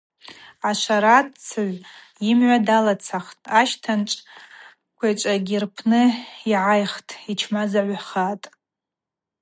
Ашварацыгӏв йымгӏва далацатӏ, ащтанчӏв квайчӏвагьи рпны йгӏайхтӏ, йчмазагӏвхатӏ.